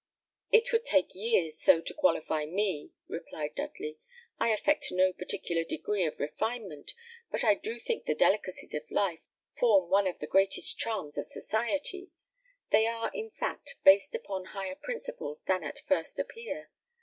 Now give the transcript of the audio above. "It would take years so to qualify me," replied Dudley. "I affect no particular degree of refinement, but I do think the delicacies of life form one of the greatest charms of society. They are, in fact, based upon higher principles than at first appear.